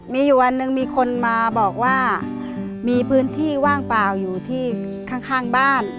มีอยู่วันหนึ่งมีคนมาบอกว่ามีพื้นที่ว่างเปล่าอยู่ที่ข้างบ้าน